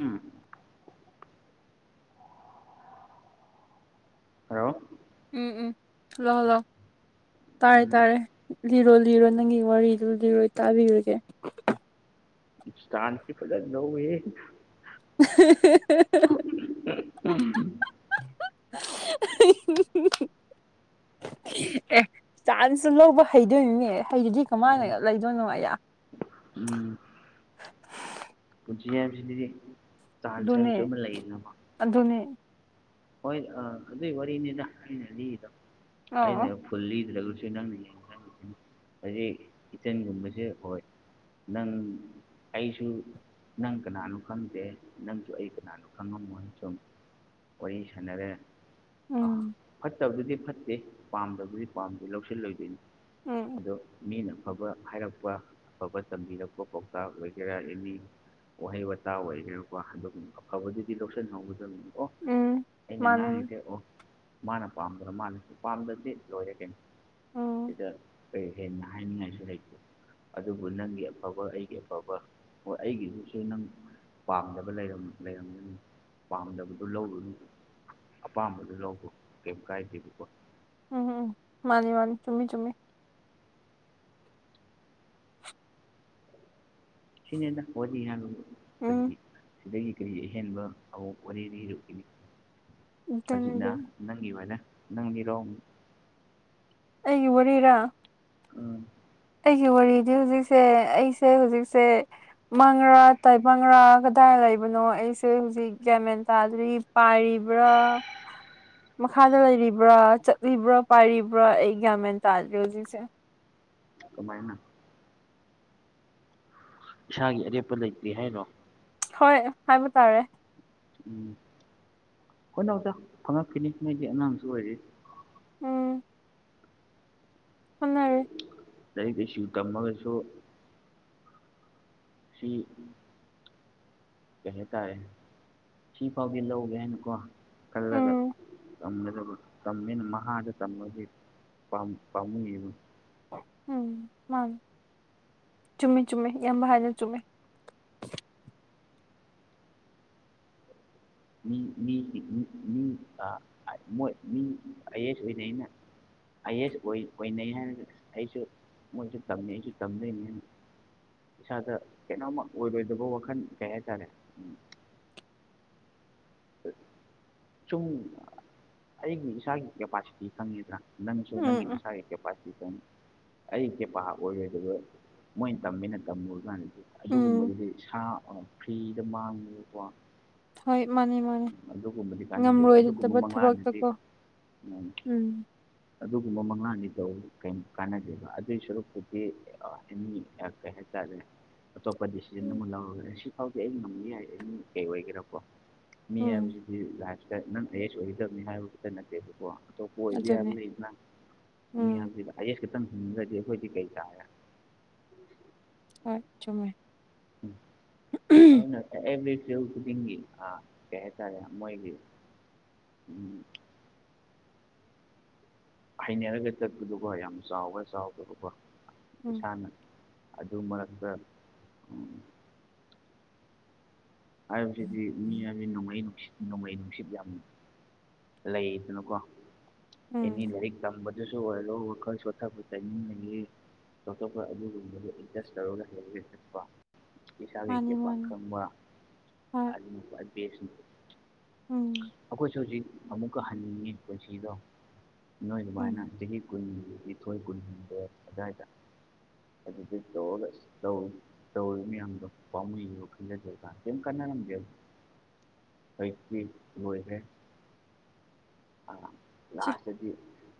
ꯎꯝ hello ꯎꯝ ꯎꯝ hello hello ꯇꯥꯔꯦ ꯎꯝ ꯇꯥꯔꯦ ꯂꯤꯔꯣ ꯂꯤꯔꯣ ꯅꯪꯒꯤ ꯋꯥꯔꯤꯗꯨ ꯂꯤꯔꯣꯏ ꯇꯥꯕꯤꯔꯒꯦ [unintelligible] ꯐꯖꯅ ꯂꯧꯋꯦꯍꯦ [unintelligible] [unintelligible] ꯑꯦ ꯆꯥꯟꯁꯨ ꯂꯧꯕ ꯍꯩꯗꯣꯏꯅꯤꯅꯦ ꯍꯩꯗꯗꯤ ꯀꯃꯥꯏꯅ ꯂꯩꯗꯣꯏꯅꯣ ꯑꯩꯌꯥ ꯎꯝ ꯄꯨꯟꯁꯤ ꯍꯥꯏꯕꯁꯤꯗꯤ ꯆꯥꯟꯁ ꯍꯥꯏꯕꯁꯨ ꯑꯃ ꯂꯩꯗꯅꯀꯣ ꯑꯗꯨꯅꯤ ꯍꯣꯏ ꯑꯥ ꯑꯗꯨꯒꯤ ꯋꯥꯔꯤꯅꯤꯗ ꯑꯩꯅ ꯂꯤꯔꯤꯗꯣ ꯑꯣ ꯑꯩꯅ ꯐꯨꯜꯂꯤꯗ꯭ꯔꯒꯁꯨ ꯅꯪꯅ ꯌꯦꯡꯉ ꯍꯧꯖꯤꯛ ꯀꯤꯆꯟꯒꯨꯝꯕꯁꯦ ꯍꯣꯏ ꯅꯪ ꯑꯩꯁꯨ ꯅꯪ ꯀꯅꯥꯅꯣ ꯈꯪꯗꯦ ꯅꯪꯁꯨ ꯑꯩ ꯀꯅꯥꯅꯣ ꯈꯪꯉꯝꯃꯣꯏ ꯁꯨꯝ ꯋꯥꯔꯤ ꯁꯥꯟꯅꯔꯦ ꯑꯥ ꯎꯝ ꯐꯠꯇꯕꯗꯨꯗꯤ ꯐꯠꯇꯦ ꯄꯥꯝꯗꯕꯗꯨꯗꯤ ꯄꯥꯝꯗꯦ ꯂꯧꯁꯤꯜꯂꯣꯏꯗꯣꯏꯅꯤ ꯎꯝ ꯑꯗꯣ ꯃꯤꯅ ꯑꯐꯕ ꯍꯥꯏꯔꯛꯄ ꯑꯐꯕ ꯇꯝꯕꯤꯔꯛꯄ ꯄꯥꯎꯇꯥꯛ ꯑꯣꯏꯒꯦꯔꯥ ꯑꯦꯅꯤ ꯋꯥꯍꯩ ꯋꯥꯇꯥ ꯑꯣꯏꯒꯅꯥꯀꯣ ꯑꯗꯨꯒꯨꯝꯕ ꯑꯐꯕꯗꯨꯗꯤ ꯂꯧꯁꯟꯍꯧꯒꯗꯕꯅꯤꯀꯣ ꯎꯝ ꯑꯩꯅ ꯃꯥꯅꯦ ꯎꯝ ꯉꯥꯡꯉꯤꯁꯦ ꯑꯣ ꯃꯥꯅ ꯄꯥꯝꯗ꯭ꯔ ꯃꯥꯟꯅ ꯄꯥꯝꯗ꯭ꯔꯗꯤ ꯂꯣꯏꯔꯦ ꯀꯩꯅꯣ ꯁꯤꯗ ꯀꯔꯤ ꯍꯦꯟꯅ ꯍꯥꯏꯅꯤꯡꯉꯥꯏꯁꯨ ꯂꯩꯇꯦ ꯑꯗꯨꯕꯨ ꯅꯪꯒꯤ ꯑꯐꯕ ꯑꯩꯒꯤ ꯑꯐꯕ ꯍꯣꯏ ꯑꯩꯒꯤꯗꯨꯁꯨ ꯅꯪ ꯄꯥꯝꯗꯕ ꯂꯩꯔꯝꯒꯅꯤ ꯄꯥꯝꯗꯕꯗꯨ ꯂꯧꯔꯨꯅꯤ ꯑꯄꯥꯝꯕꯗ ꯂꯧꯕ ꯀꯩꯝ ꯀꯥꯏꯗꯦꯕꯀꯣ ꯎꯝ ꯎꯝ ꯃꯥꯅꯤ ꯃꯥꯅꯤ ꯆꯨꯝꯃꯤ ꯆꯨꯝꯃꯤ ꯁꯤꯅꯤꯗ ꯋꯥꯔꯤ ꯍꯥꯏꯕꯕꯨ ꯎꯝ ꯀꯔꯤ ꯁꯤꯗꯒꯤ ꯀꯔꯤ ꯑꯍꯦꯟꯕ ꯑꯃꯨꯛ ꯋꯥꯔꯤ ꯂꯤꯔꯨꯈꯤꯅꯤ ꯑꯗꯨꯅꯤ ꯍꯧꯖꯤꯛꯅ ꯑꯗꯨꯅꯤ ꯅꯪꯒꯤꯑꯣꯏꯅ ꯅꯪ ꯂꯤꯔꯣ ꯑꯃꯨꯛ ꯑꯩꯒꯤ ꯋꯥꯔꯤꯔꯥ ꯑꯥ ꯑꯩꯒꯤ ꯋꯥꯔꯤꯗꯤ ꯍꯧꯖꯤꯛꯁꯦ ꯑꯩꯁꯦ ꯍꯧꯖꯤꯛꯁꯦ ꯃꯪꯔꯥ ꯇꯥꯏꯕꯪꯒꯔꯥ ꯀꯗꯥꯏ ꯂꯩꯕꯅꯣ ꯑꯩꯁꯦ ꯍꯧꯖꯤꯛ ꯒ꯭ꯌꯥꯟ ꯃꯦꯟ ꯇꯥꯗ꯭ꯔꯤ ꯄꯥꯢꯔꯤꯕ꯭ꯔꯥ ꯃꯈꯥꯗ ꯂꯩꯔꯤꯕ꯭ꯔꯥ ꯆꯠꯂꯤꯕ꯭ꯔꯥ ꯄꯥꯏꯔꯤꯕ꯭ꯔꯥ ꯑꯩ ꯒ꯭ꯌꯥꯟ ꯃꯦꯟ ꯇꯥꯗꯦ ꯍꯧꯖꯤꯛꯁꯦ ꯀꯃꯥꯏꯅ ꯏꯁꯥꯒꯤ ꯑꯔꯦꯞꯄ ꯂꯩꯇꯦ ꯍꯥꯏꯔꯣ ꯍꯣꯏ ꯍꯥꯏꯕ ꯇꯥꯔꯦ ꯎꯝ ꯍꯣꯠꯅꯧꯗ ꯐꯪꯉꯛꯈꯤꯅꯤ ꯅꯣꯏꯗꯤ ꯑꯉꯥꯡꯁꯨ ꯑꯣꯏꯔꯤ ꯎꯝ [unintelligible] ꯂꯔꯤꯛ ꯂꯥꯢꯁꯨ ꯇꯝꯃꯒꯁꯨ ꯁꯤ ꯀꯩ ꯍꯥꯏꯇꯥꯔꯦ ꯁꯤꯐꯥꯎꯗꯤ ꯂꯧꯒꯦ ꯍꯥꯏꯅꯀꯣ ꯈꯜꯂꯒ ꯎꯝ ꯇꯝꯒꯗꯕꯅꯦ ꯇꯃꯦꯅ ꯃꯍꯥꯗ ꯇꯝꯃꯗꯤ ꯄꯥꯝꯃꯨꯢꯕ ꯎꯝ ꯃꯥꯅꯤ ꯆꯨꯝꯃꯦ ꯆꯨꯝꯃꯦ ꯢꯌꯥꯝꯕ ꯍꯥꯢꯗꯣ ꯆꯨꯝꯃꯦ [unintelligible] ꯑꯥꯢ ꯑꯦꯁ ꯑꯣꯏꯅꯩꯅ ꯑꯥꯢ ꯑꯦꯁ ꯑꯣꯏꯅꯩ ꯍꯥꯏꯅꯒ ꯑꯩꯁꯨ ꯃꯣꯏꯁꯨ ꯇꯝꯅꯩ ꯑꯩꯁꯨ ꯇꯝꯗꯣꯏꯅꯤ ꯍꯥꯏꯅ ꯏꯁꯥꯗ ꯀꯩꯅꯣꯝꯃ ꯑꯣꯏꯔꯣꯏꯗꯕ ꯋꯥꯈꯜ ꯀꯩ ꯍꯥꯏꯇꯥꯔꯦ ꯎ ꯁꯨꯝ ꯑꯩꯒꯤ ꯏꯁꯥꯒꯤ ꯀꯦꯄꯥꯁꯤꯇꯤ ꯈꯪꯉꯤꯗ꯭ꯔꯥ ꯅꯪꯁꯨ ꯎꯝ ꯎꯝ ꯅꯪꯃꯤꯅꯁꯥ ꯀꯦ ꯄꯇꯦ ꯑꯩꯁꯦ ꯄꯥ ꯑꯣꯏꯔꯣꯏ ꯑꯗꯨꯒ ꯃꯣꯏꯅ ꯇꯝꯃꯤꯅ ꯇꯝꯃꯨꯔꯀꯥꯟꯗ ꯎꯝ ꯑꯗꯨꯒꯨꯝꯕꯗꯨꯗꯤ ꯁꯥ ꯐ꯭ꯔꯤꯗ ꯃꯥꯡꯉꯦꯀꯣ ꯍꯣꯏ ꯃꯥꯅꯤ ꯃꯥ ꯎꯝ ꯑꯗꯨꯒꯨꯝꯕꯗꯤ ꯀꯥꯟꯅꯗꯦꯕ ꯑꯗꯨꯒꯨꯝꯕ ꯃꯪꯂꯥꯟꯅꯗꯤ ꯊꯕꯛꯇꯀꯣ ꯎ ꯎꯝ ꯑꯗꯨꯒꯨꯝꯕ ꯃꯉꯥꯅꯤꯗꯣ ꯀ ꯀꯥꯟꯅꯗꯦꯕ ꯑꯗꯨꯏ ꯁꯔꯨꯛꯄꯨꯗꯤ ꯑꯃꯤ ꯀ ꯍꯦ ꯆꯔꯦ ꯑꯇꯣꯞꯄ ꯗꯤꯁꯤꯖꯟ ꯑꯃ ꯂꯧꯔꯒ ꯁꯤ ꯐꯥꯎꯗꯤ ꯑꯩ ꯉꯝꯃꯤ ꯌꯥꯏ ꯑ ꯀꯩ ꯑꯣꯏꯒꯦꯔꯀꯣ ꯃꯤ ꯎꯝ ꯍꯥꯏꯕꯁꯤꯗꯤ ꯂꯥꯏꯐꯇ ꯅꯪ ꯑꯦꯦꯁ ꯑꯣꯏꯒꯗꯕꯅꯤ ꯍꯥꯏꯕ ꯈꯛꯇ ꯅꯠꯇꯦꯕꯀꯣ ꯑꯇꯣꯞꯄ ꯑꯣꯏꯕ ꯌꯥꯕ ꯑꯗꯨꯅꯦ ꯂꯩꯗꯅ ꯎꯝ ꯃꯤꯌꯥꯝꯁꯤꯗ ꯑꯥꯢ ꯌꯦꯁ ꯈꯤꯇꯪ ꯍꯤꯡꯗ꯭ꯔꯗꯤ ꯑꯩꯈꯣꯏꯗꯤ ꯀꯩ ꯇꯥꯔꯦ ꯍꯣꯏ ꯆꯨꯝꯃꯦ ꯑꯗꯨꯅ ꯑꯦꯚ꯭ꯔꯤ ꯐꯤꯜ ꯈꯨꯗꯤꯡꯒꯤ ꯑꯥ ꯀꯩ ꯍꯥꯏꯇꯥꯔꯦ ꯃꯣꯏꯒꯤ ꯎꯝ ꯍꯩꯅꯔꯒ ꯆꯠꯄꯗꯨꯀꯣ ꯌꯥꯝ ꯆꯥꯎꯕ꯭ꯔ ꯆꯥꯎꯗꯕ꯭ꯔꯀꯣ ꯎꯝ ꯏꯁꯥꯅ ꯑꯗꯨ ꯃꯔꯛꯇ ꯎꯝ ꯍꯥꯏꯕꯁꯤꯗꯤ ꯃꯤ ꯍꯥꯏꯗꯤ ꯅꯣꯡꯃꯩ ꯅꯨꯡꯁꯤ ꯅꯣꯡꯂꯩ ꯅꯨꯡꯁꯤꯠ ꯌꯥꯝ ꯂꯩꯗꯅꯀꯣ ꯎꯝ ꯑꯦꯅꯤ ꯂꯥꯏꯔꯤꯛ ꯇꯝꯕꯗ [unintelligible] ꯇꯥꯢꯃꯤꯡ ꯂꯩꯌꯦ ꯑꯇꯣꯞꯄ ꯑꯗꯨꯒꯨꯝꯕꯗꯨ ꯏꯟꯇꯔꯦꯁ ꯇꯧꯔꯒ ꯍꯡꯒꯦ ꯆꯠꯄꯣ ꯃꯥꯅꯤ ꯃꯥꯅꯤ ꯍꯣꯏ꯫ ꯈꯋ꯭ꯥꯏ ꯕꯦꯁꯠꯅꯤ꯫ ꯎꯝ꯫ ꯑꯩꯈꯣꯏꯁꯨ ꯍꯧꯖꯤꯛ ꯑꯃꯨꯛꯀ ꯍꯟꯅꯤꯡꯉꯤ ꯄꯨꯟꯁꯤꯗꯣ ꯅꯣꯏ ꯑꯗꯨꯃꯥꯏꯅ ꯎꯝ ꯆꯍꯤ ꯀꯨꯟꯅꯤꯊꯣꯏ ꯀꯨꯟꯒꯗ ꯑꯗꯨꯗꯥꯋꯥꯏꯗ ꯑꯗꯨꯗ ꯇꯧꯔꯒ ꯇꯧ ꯇꯧꯔꯤꯕ ꯃꯌꯥꯝꯗꯣ ꯄꯥꯝꯃꯨꯅꯣ ꯈꯟꯖꯗꯕꯀꯥꯟ ꯀꯦꯝ ꯀꯅꯥꯔ ꯀꯩꯣꯏꯦ ꯆꯦ ꯂꯥꯁꯇꯗꯤ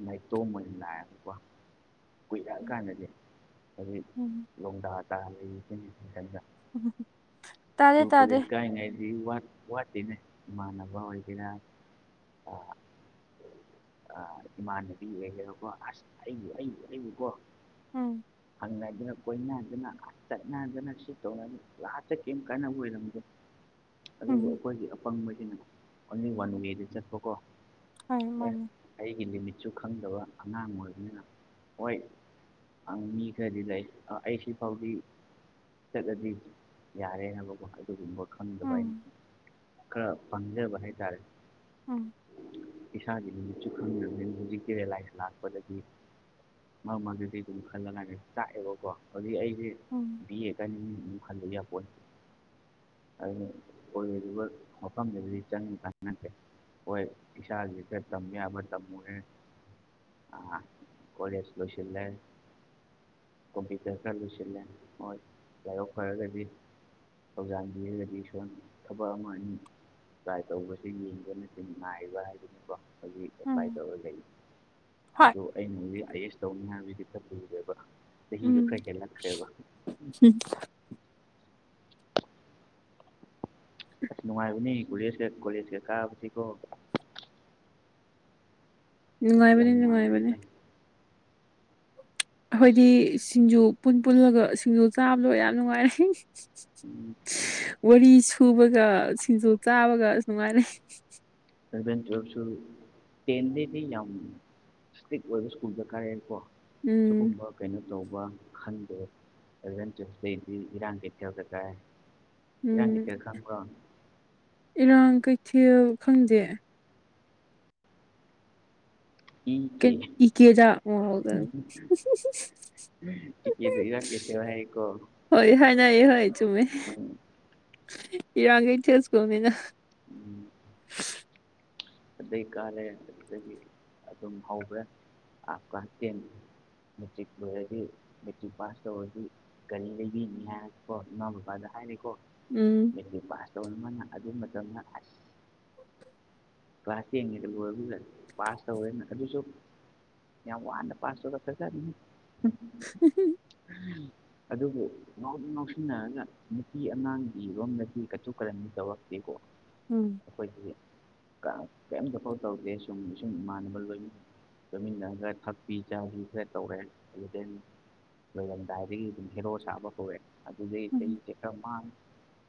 ꯅꯥꯏꯇꯣꯝꯝꯕ ꯂꯅꯥꯏꯑꯕꯀꯣ ꯀꯨꯏꯔꯛꯑ ꯀꯥꯟꯗꯗꯤ ꯑꯩꯣꯏ ꯎꯝ ꯂꯣꯡꯗꯥ ꯇꯥ ꯂꯩ ꯀꯒꯤ ꯈꯪꯟꯗ ꯎꯝ ꯁ꯭ꯀꯨꯜ ꯀꯣꯦꯖ ꯀꯥꯏ ꯉꯥꯏꯗꯤ ꯋꯥ ꯋꯥꯠꯇꯤꯅꯦ ꯏꯃꯥꯟꯅꯕ ꯑꯣꯏꯗꯅ ꯑ ꯏꯃꯥꯟꯅꯕꯤꯀꯣ ꯑꯁ ꯑꯩ ꯂꯩꯀꯣ꯫ ꯎꯝ꯫ ꯍꯪꯅꯗꯅ ꯀꯣꯏꯅꯗꯅ ꯆꯠꯅꯗꯅ ꯁꯤ ꯇꯧꯅ ꯂꯥꯁꯇ꯭ ꯇꯥꯗꯤ꯫ ꯀꯩ ꯀꯥꯟꯅꯕ ꯑꯣꯏꯔꯝꯒꯦ ꯑꯗꯨꯕꯨ ꯎꯝ ꯑꯩꯈꯣꯏꯒꯤ꯫ ꯐꯪꯕꯩꯒꯤꯅ ꯑꯣꯟꯂꯤ ꯋꯥꯟ ꯋꯦꯗ ꯆꯠꯄꯀꯣ꯫ ꯍ ꯑꯦ ꯃꯥꯅꯤ ꯑꯩꯒꯤ ꯂꯤꯃꯤꯠꯁꯨ ꯈꯪꯗꯕ ꯑꯉꯥꯡ ꯑꯣꯏꯕꯅꯤꯅ ꯍꯣꯏ ꯑ ꯃꯤ ꯀꯗꯤꯗꯏ ꯑꯩꯁꯤ ꯐꯥꯎꯇ ꯆ ꯌꯥꯔꯦꯅꯕꯀꯣ ꯑꯗꯨꯒꯨꯝꯕ ꯈꯪꯗꯕ ꯑꯩꯅ ꯎꯝ ꯈꯔ ꯄꯪꯖꯕ ꯍꯥꯏꯇꯥꯔꯦ ꯎꯝ ꯏꯁꯥꯗꯤ ꯃꯤꯃꯤꯠꯁꯨ ꯈꯪꯗꯕꯅꯤ ꯍꯧꯖꯤꯛꯀꯤ ꯔꯤꯂꯥꯏꯁ ꯂꯥꯛꯄꯗꯒꯤ ꯃꯔꯝ ꯑꯗꯨꯗꯤ ꯑꯗꯨꯝ ꯈꯜꯂ ꯀꯥꯟꯗ ꯆꯥꯛꯑꯦꯕꯀꯣ ꯍꯧꯖꯤꯛ ꯑꯩꯁꯦ ꯎꯝ ꯄꯤꯑꯒꯅꯤ ꯈꯟꯗ ꯌꯥꯝ ꯄꯣ ꯑꯗꯨ ꯑꯣꯏꯒꯔꯤꯕ ꯃꯐꯝꯗꯨꯗꯗꯤ ꯆꯪ ꯈꯪꯉꯠꯇꯦ ꯍꯣꯏ ꯏꯁꯥꯁꯤꯗꯦ ꯇꯝ ꯌꯥꯕ ꯇꯝꯃꯦ ꯑ ꯀꯅꯦꯁ ꯂꯣꯁꯤ ꯂꯩꯦ ꯀꯝꯄꯨꯇꯔ ꯆꯨ ꯍꯣꯏ ꯌꯥꯑꯣ ꯈꯔꯒꯗꯤ ꯊꯧꯖꯥꯟꯕꯤꯔꯒꯗꯤ ꯁꯣꯅ ꯊꯕꯛ ꯑꯃ ꯑꯅꯤ ꯇ꯭ꯔꯥꯏ ꯇꯧꯕꯁꯦ ꯌꯦꯡꯕꯅꯆꯤꯡ ꯅꯥꯏꯕ ꯍꯥꯏꯗꯨꯅꯤꯀꯣ ꯑꯩꯣꯏꯒꯤ ꯑꯦꯄ꯭ꯂꯥꯏ ꯎꯝ ꯇꯧꯔꯒ ꯂꯩ ꯍꯣꯏ ꯑꯗꯣ ꯑꯩꯅ ꯍꯧꯖꯤꯛ ꯑꯥꯏ ꯑꯦꯁ ꯇꯧ ꯃꯌꯥꯝꯁꯤꯗꯤ ꯆꯠꯂꯨꯔꯦꯕ ꯆꯍꯤꯗꯣ ꯈꯔ ꯍꯦꯜꯂꯛꯈ꯭ꯔꯦꯕ ꯎ ꯎꯝ ꯑꯁ ꯅꯨꯡꯉꯥꯏꯕꯅꯤ ꯀꯣꯂꯦꯖꯀ ꯀꯣꯂꯦꯖ ꯀ ꯀꯥꯕꯁꯤꯀꯣ ꯑꯩꯈꯣꯏꯁꯨ ꯌꯥꯝ ꯅꯨꯡꯉꯥꯏꯕꯅꯦ ꯅꯨꯡꯉꯥꯏ ꯅꯨꯡꯉꯥꯏꯕꯅꯦ ꯂꯩꯔꯤꯗ ꯑꯁ ꯑꯩꯈꯣꯏꯗꯤ ꯁꯤꯡꯖꯨ ꯄꯨꯟ ꯄꯨꯜꯂꯒ ꯁꯤꯡꯖꯨ ꯆꯥꯕꯗꯣ ꯌꯥꯝ ꯅꯨꯡꯉꯥꯏꯔꯦ ꯎꯝ ꯋꯥꯔꯤ ꯁꯨꯕꯒ ꯁꯤꯡꯖꯨ ꯆꯥꯕꯒ ꯁꯨꯃꯥꯏꯅ ꯕꯦꯟ ꯆꯁꯨ ꯇꯦꯟꯗꯗꯤ ꯌꯥ ꯏꯁꯇꯛ ꯑꯣꯏꯕ ꯁ꯭ꯀꯨꯜ ꯗꯔ ꯀꯥꯔꯦꯀꯣ ꯎꯝ ꯁꯤꯒꯨꯝꯕ ꯀꯩꯅꯣ ꯇꯧꯕ ꯈꯟꯗꯦ ꯑꯦꯂꯚꯦꯟ ꯇꯨꯌꯦꯜꯐꯇꯩꯗꯤ ꯏꯔꯥꯡ ꯀꯩꯊꯒ ꯇꯥꯏ ꯎꯝ ꯏꯔꯥꯡꯒꯤꯇꯔ ꯈꯪꯕ꯭ꯔꯣ ꯏꯔꯥꯡ ꯀꯩꯊꯦꯜ ꯈꯪꯗꯦ ꯏ ꯀꯦ ꯏ ꯀꯦ ꯋꯥꯗ ꯏ ꯀꯦꯗꯣ ꯏꯔꯥꯡ ꯀꯩꯊꯦꯜ ꯍꯥꯏꯌꯦꯀꯣ ꯍꯣꯏ ꯍꯣꯏꯅ ꯍꯣꯏ ꯆꯨꯝꯃꯦ ꯎꯝ ꯏꯔꯒꯩ ꯊꯁ ꯀꯃꯦꯅ ꯎꯝ ꯑꯗꯩ ꯀꯥꯔꯦ ꯑꯗꯨꯗꯒꯤ ꯑꯗꯨꯝ ꯍꯧꯈ꯭ꯔꯦ ꯍꯥꯞꯀ ꯍꯇꯦꯡ ꯃꯦꯇ꯭ꯔꯤꯛ ꯑꯣꯏꯗꯤ ꯃꯦꯇ꯭ꯔꯤꯛ ꯄꯥꯁ ꯇꯧꯕꯗꯤ ꯀꯔꯤ ꯂꯩꯕꯤꯅꯤ ꯍꯥꯏ ꯀꯣ ꯏꯃꯥ ꯕꯕꯥꯗ ꯍꯥꯏꯔꯤꯦꯀꯣ ꯎꯝ꯫ ꯃꯦꯇ꯭ꯔꯤꯛ ꯄꯥꯁ ꯇꯧꯕ ꯑꯃꯅ ꯑꯗꯨ ꯃꯇꯝꯗ ꯑꯁ꯫ ꯀ꯭ꯂꯥꯁꯉꯦ ꯄꯥꯁ ꯇꯧ ꯑꯗꯨꯁꯨ ꯌꯥꯝ ꯋꯥꯅ ꯄ ꯁꯣꯗꯁ ꯍꯖ ꯎ ꯎꯝ꯫ ꯑꯗꯨꯕꯨ ꯉꯥꯎꯗꯤ ꯉꯥꯎꯁꯤꯟꯅꯔꯒ ꯅꯨꯄꯤ ꯑꯉꯥꯡꯒꯤꯔꯣꯝꯗꯗꯤ ꯀꯥꯇꯨ ꯀꯥꯔꯟꯗꯤ ꯇꯧꯔꯛꯇꯦ꯫ ꯏꯀꯣ꯫ ꯎꯝ ꯑꯩꯈꯣꯏꯒꯤ ꯀꯔꯤꯝꯇ ꯐꯥꯎ ꯇꯧꯒꯦ ꯁꯨꯝ ꯁꯨꯝ ꯏꯃꯥꯟꯅꯕ ꯂꯣꯏꯅ ꯆꯠꯃꯤꯟꯅꯒ ꯊꯥꯛꯄꯤ ꯆꯥꯕꯤ ꯈꯔ ꯇꯧꯔꯦ ꯑꯗꯨꯗꯩ ꯑꯩꯈꯔꯝꯗꯥꯏꯗꯒꯤ ꯑꯗꯨꯝ ꯍꯦꯔꯣ ꯁꯥꯕ ꯍꯧꯋꯦ ꯑꯗꯨꯗꯩ ꯎꯝ ꯏꯁꯩꯁꯦ ꯈꯔ ꯃꯥꯡ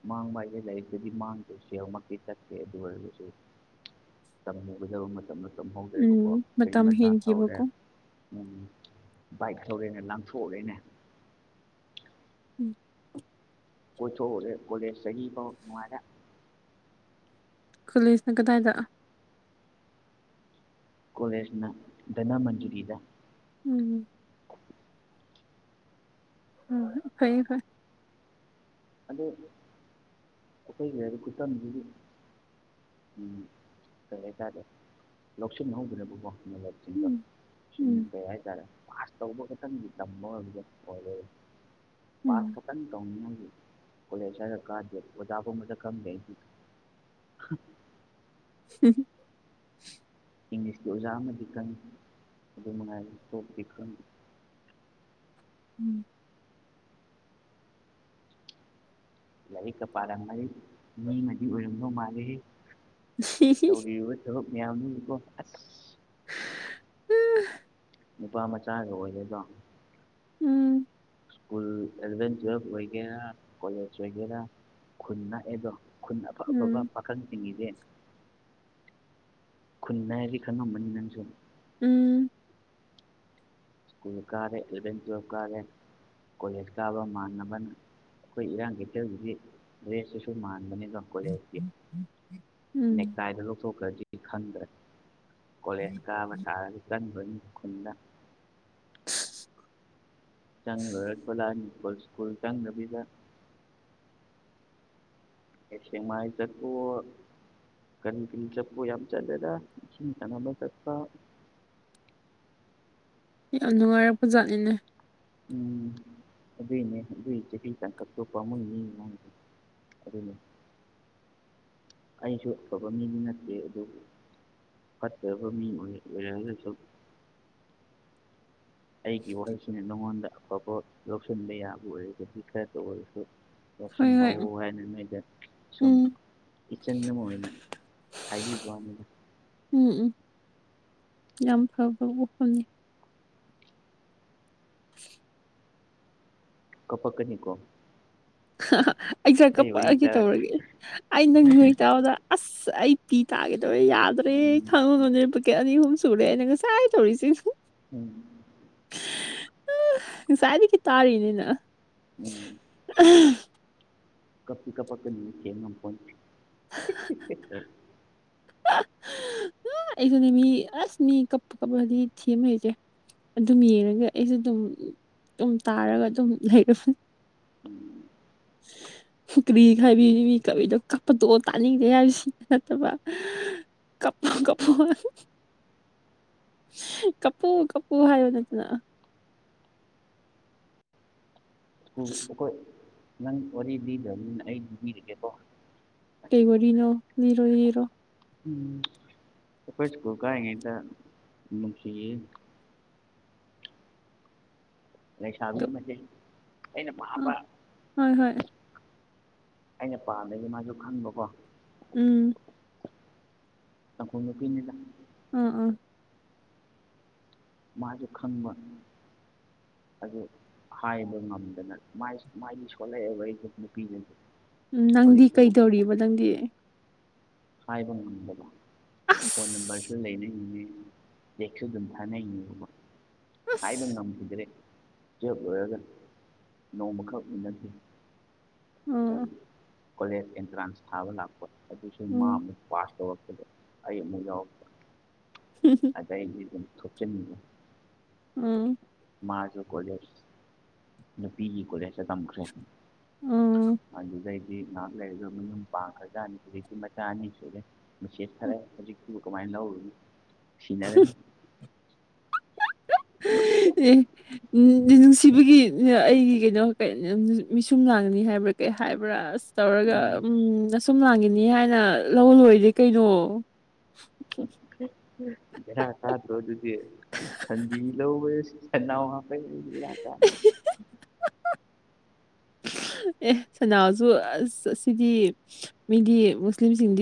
ꯃꯥꯡꯕ ꯍꯥꯏꯗ ꯂꯩꯕꯗꯨꯗꯤ ꯃꯥꯡꯗ ꯁꯦꯡꯃꯛꯇꯤ ꯆꯠꯠꯇꯦ ꯑꯗꯨ ꯑꯣꯏꯔꯒꯁꯨ ꯆꯍꯧꯒꯗꯕ ꯃꯇꯝꯗ ꯆꯝꯍꯧꯗ꯭ꯔꯦꯕꯀꯣ ꯎꯝ ꯀꯔꯤ ꯃꯇꯝ ꯃꯆꯥ ꯇꯧꯔꯦ ꯍꯦꯟꯈꯤꯕꯀꯣ ꯎꯝ ꯕꯥꯏꯛ ꯂꯧꯧꯔꯦꯅꯦ ꯂꯪꯊꯣꯛꯎꯔꯦꯅꯦ ꯎꯝ ꯑꯣꯣꯊꯦꯣꯂꯦ ꯁꯍꯤꯥꯎ ꯇꯨꯔꯥ ꯀꯣꯂꯦꯁꯅ ꯀꯗꯥꯏꯗ ꯀꯣꯂꯦꯖꯅ ꯙꯅ ꯃꯟꯖꯨꯔꯤꯗ ꯎꯝ ꯎꯝ ꯀꯩ ꯐ ꯑꯗ ꯑꯩꯈꯣꯏꯒꯤ ꯍꯥꯏꯗꯤ ꯈꯨ ꯎꯝ ꯀꯔꯦꯇꯥꯔꯦ ꯂꯧꯁꯤꯟꯍꯧꯗꯅꯦꯕꯀꯣ ꯆꯤꯡꯕ ꯎꯝ ꯎꯝ ꯁꯤꯨꯝꯕꯩ ꯍꯥꯏꯇꯥꯔꯦ ꯄꯥꯁ ꯇꯧꯕ ꯈꯇꯅꯤꯒꯤ ꯇꯝꯕꯔꯦ ꯄꯥꯁ ꯎꯝ ꯈꯅꯤ ꯇꯧꯅꯤꯡ ꯀꯣꯂꯦꯖ ꯀꯥꯗ ꯑꯣꯖꯥꯕꯨꯕꯗ ꯀꯝꯗ ꯎꯝ ꯏꯪꯂꯤꯁꯀꯤ ꯑꯣꯖꯥ ꯑꯃꯗꯤ ꯈꯪꯉꯤ ꯑꯗꯨ ꯅꯨꯡꯉꯥꯏꯕ ꯏꯁꯇꯣꯞꯗꯤ ꯈꯪꯉꯤ ꯎꯝ ꯂꯥꯏꯔꯤꯛꯀ ꯄꯥꯔꯝꯃꯗꯤ ꯃꯤꯃꯗꯤ ꯑꯣꯏꯔꯝꯗꯧ ꯃꯥꯜꯂꯤ ꯇꯧꯔꯤꯕ ꯊꯕꯛ ꯃꯌꯥꯝꯕꯨ ꯎꯝ ꯅꯨꯄꯥ ꯃꯆꯥꯒ ꯑꯣꯏꯒꯦꯗꯣ ꯎꯝ ꯁ꯭ꯀꯨꯜ ꯑꯦꯂꯚꯦꯟ ꯇꯨꯋꯦꯜꯕ ꯑꯣꯏꯒꯦꯔꯥ ꯀꯣꯂꯦꯖ ꯑꯣꯏꯒꯦꯔꯥ ꯈꯨꯟ ꯅꯛꯑꯦꯗꯣ ꯑꯩꯈꯣꯏ ꯎꯝ ꯑꯄꯥꯕꯕꯥ ꯈꯪ ꯆꯤꯡꯉꯤꯁꯦ ꯈꯨꯟꯅꯗꯤ ꯈꯪꯉꯝꯕꯅꯤ ꯅꯪꯁꯨ ꯎꯝ ꯀꯨꯜꯀꯥꯔꯦ ꯑꯦꯕ ꯆꯞꯀꯥꯔꯦ ꯀꯂꯦꯀꯥꯕ ꯃꯥꯥꯟꯕꯟ ꯑꯩꯈꯣꯏ ꯏꯔꯥꯡ ꯀꯩꯊꯦꯜꯒꯤꯒꯤ ꯗ꯭ꯔꯦꯁꯇꯁꯨ ꯃꯥꯟꯕꯅꯤꯗꯣ ꯎꯝ ꯅꯦꯛꯥꯏꯗ ꯂꯧꯊꯣꯛꯈ꯭ꯔꯖꯤ ꯈꯪꯗ꯭ꯔꯦ ꯀꯣꯂꯦꯖꯀꯥ ꯑꯃ ꯁꯥꯔꯗꯤ ꯀꯟꯕꯅꯤ ꯈꯨꯟꯅ ꯆꯪ ꯂꯣꯏꯔꯄꯂꯥꯅꯤ꯭ꯀꯨꯜ ꯁ꯭ꯀꯨꯜ ꯆꯪꯗꯕꯤꯗ ꯑꯦꯁ ꯃꯥꯥꯏ ꯆ ꯇꯣ ꯀꯟ ꯆꯄꯨ ꯌꯥꯝ ꯆꯠꯂꯦꯗ ꯆꯠꯄ ꯌꯥꯝ ꯅꯨꯡꯉꯥꯏꯔꯔꯕ ꯖꯥꯠꯅꯤꯅꯦ ꯎꯝ ꯑꯗꯨꯏꯅꯦ ꯑꯗꯨꯏ ꯆꯍꯤ ꯇꯥꯡꯀ ꯊꯣꯛꯄ ꯑꯃ ꯃꯤ ꯑꯗꯨꯅꯤ ꯑꯩꯁꯨ ꯑꯐꯕ ꯃꯤꯗꯤ ꯅꯠꯇꯦ ꯑꯗꯨꯕꯨ ꯐꯠꯇꯕ ꯃꯤ ꯑꯣꯏ ꯑꯣꯏꯔꯒꯁꯨ ꯑꯩꯒꯤ ꯋꯥꯍꯩꯁꯤꯅ ꯅꯉꯣꯟꯗ ꯑꯐꯕ ꯂꯧꯁꯤꯟꯕ ꯌꯥꯕ ꯑꯣꯏꯔꯁꯨ ꯈꯥꯏꯠꯇ ꯑꯣꯏꯔꯁꯨ ꯍꯣꯏ ꯂꯧꯁꯨꯝ ꯍꯣꯏ ꯎꯝ ꯍꯧ ꯍꯥꯏꯅ ꯅꯣꯏꯗ ꯁꯨꯝ ꯏꯆꯟ ꯑꯃ ꯑꯣꯏꯅ ꯍꯥꯏꯕꯤꯕꯗ ꯎꯝ ꯎꯝ ꯌꯥꯝ ꯐꯕ ꯋꯥꯐꯝꯅꯤ ꯎ ꯀꯄꯛ ꯀꯅꯤ ꯀꯣ ꯑꯩꯁ ꯋꯥꯔꯤ ꯀꯄꯛꯑꯒꯦ ꯇꯥꯔꯒ ꯇꯧꯔꯒꯦ ꯑꯩ ꯅꯪ ꯅꯣꯏ ꯇꯥꯕꯗ ꯑꯁ ꯑꯩ ꯐꯄꯤ ꯇꯥꯦꯗꯧꯔꯦ ꯌꯥꯗ꯭ꯔꯦ ꯎꯝ ꯈꯪꯉꯨ ꯉꯅꯦꯀ ꯑꯅꯤ ꯑꯍꯨꯝ ꯁꯨꯔꯦ ꯑꯩꯅ ꯉꯁꯥꯏ ꯍꯥꯏ ꯇꯧꯔꯤꯁꯤ ꯎꯝ ꯑ ꯉꯁꯥꯏꯗꯤ ꯀ ꯇꯥꯔꯤꯅꯤꯅ ꯎꯝ ꯎꯝ ꯀꯞ ꯄ ꯀ ꯄ ꯀ ꯉꯝ ꯐ [unintelligible] ꯑ ꯑꯩ ꯃꯤ ꯑꯁ ꯃꯤ ꯀꯞꯄ ꯀꯄ ꯍꯥꯏꯗꯤ ꯊꯃꯦ ꯍꯆꯦ ꯑꯗꯨꯝ ꯌꯦꯡꯉꯒ ꯑꯩꯁꯨ ꯑꯗꯨꯝ ꯑꯗꯨꯝ ꯇꯥꯔꯒ ꯑꯗꯨꯝ ꯂꯩꯔꯅꯤ ꯎ [inaudible] ꯍꯨꯀ꯭ꯔꯤ ꯈꯥꯏꯕꯤ ꯃꯤ ꯀꯕꯤꯗꯣ ꯀꯞꯄꯗꯣ ꯇꯥꯅꯤꯡꯗꯦ ꯍꯥꯏꯕꯁꯤ ꯅꯠꯇꯕ ꯀꯄ ꯀꯄ ꯀꯞꯄꯨ ꯀꯞꯄꯨ ꯍꯥꯏꯌꯣ ꯅꯠꯇꯅ ꯑꯩꯈꯣꯏ ꯅꯪ ꯋꯥꯔꯤ ꯂꯤꯗꯕꯅꯤꯅ ꯑꯩ ꯂꯤꯔꯤꯒꯦꯀꯣ ꯇꯇꯩ ꯋꯥꯔꯤꯅꯣ ꯖꯤꯔꯣ ꯔꯣ ꯎꯝ ꯑꯩꯈꯣꯏ ꯁꯀꯨ ꯀꯉꯗꯁꯤ ꯂꯩꯁꯥꯕꯤ ꯑꯃ ꯑꯩꯅ ꯑ ꯄꯥꯕ ꯍꯣꯏ ꯍꯣꯏ ꯑꯩꯅ ꯄꯥꯝꯗꯒꯤ ꯃꯥꯁꯨ ꯈꯪꯕꯀꯣ ꯎꯝ ꯇꯈꯣꯏꯅ ꯄꯅꯤꯗ ꯎꯝ ꯎꯝ ꯃꯥꯁꯨ ꯈꯪꯕ ꯍꯥꯏ ꯍꯥꯏꯕ ꯉꯝꯗꯅ ꯃꯥꯥꯏꯒꯤ ꯁꯣꯂꯛꯑꯦꯕ ꯑꯩꯁꯨ ꯅꯨꯄꯤꯒꯁꯦ ꯎꯝ ꯅꯪꯗꯤ ꯀꯩꯗꯧꯔꯤꯕ ꯅꯪꯗꯤ ꯍꯥꯏꯕ ꯉꯝꯗ꯭ꯔ ꯐꯣꯟ ꯅꯝꯕꯔꯁ ꯑꯁ [unintelligible] ꯍꯥꯏꯕ ꯑꯁ ꯉꯝꯈꯤꯗ꯭ꯔꯦ [unintelligible] ꯂꯣꯏꯔꯒ ꯅꯣꯡꯃꯈꯛ ꯎꯟꯅꯈꯤ ꯎꯝ ꯀꯣꯂꯦꯖ ꯑꯦꯟꯇ꯭ꯔꯥꯟꯁ ꯊꯥꯕ ꯂꯥꯛꯄ ꯑꯗꯨ ꯑꯗꯨ ꯃꯥ ꯎꯝ ꯑꯃꯨꯛ ꯄꯥꯁ ꯇꯧꯔꯛꯄꯗ ꯑꯩ ꯑꯃꯨꯛ ꯌꯥꯎꯔꯛꯄ [unintelligible] ꯑꯗꯩ ꯑꯗꯨꯝ ꯊꯨꯞꯆꯦꯟꯅꯤꯡ ꯎꯝ ꯃꯥꯁꯨꯣ ꯀꯣꯂꯦꯖ ꯅ ꯄꯤꯖꯤ ꯀꯣꯂꯦꯖ ꯑꯃꯈ꯭ꯔꯦ ꯎꯝ ꯑꯗꯨꯗꯩꯗꯤ ꯉꯥꯏꯍꯥꯛ ꯂꯩꯔꯒ ꯃꯤ ꯌꯨꯝ ꯄꯥꯡꯈ꯭ꯔꯗ ꯑꯅꯤꯖꯤꯛꯇ ꯃꯆꯥ ꯑꯅꯤ ꯁꯨꯔꯦ ꯃꯆꯦꯠ ꯐꯔꯦ ꯍꯧꯖꯤꯛꯇꯤꯕꯨ ꯀꯃꯥꯏꯅ ꯂꯧꯔꯅꯤ ꯁꯤꯟꯅꯔꯅꯤ ꯑꯦ ꯎ ꯅꯨꯡꯁꯤꯕꯒꯤ ꯑꯩꯒꯤ ꯀꯩꯅꯣ ꯃꯤꯁꯨꯝ ꯂꯥꯡꯅꯤ ꯍꯥꯏꯕ꯭ꯔꯥ ꯀꯩ ꯍꯥꯏꯕ꯭ꯔꯥ ꯑꯁ ꯇꯧꯔꯒ ꯎꯝ ꯑꯁꯨꯝ ꯂꯥꯡꯈꯤꯅꯤ ꯍꯥꯏꯅ ꯂꯧ ꯂꯣꯏꯗꯤꯦ ꯀꯩꯅꯣ ꯔ ꯇꯥꯗ ꯔꯣ ꯑꯗꯨꯗꯤ [unintelligible] [unintelligible] ꯑꯦ ꯁꯅꯥꯖꯨ ꯑꯁ ꯁꯤꯗꯤ ꯃꯤꯗꯤ ꯃꯨꯁꯂꯤꯝꯁꯤꯡꯗꯤ